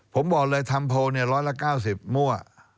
ผมบอกเลยทำโพลเนี่ยร้อยละ๙๐มั่ว